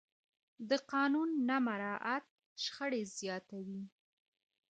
د قانون نه مراعت شخړې زیاتوي